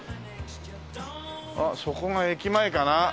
あっそこが駅前かな？